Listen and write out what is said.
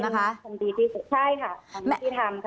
ใช่ค่ะกระทรวงยุติธรรมค่ะ